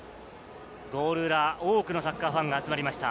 ゴール裏、多くのサッカーファンが集まりました。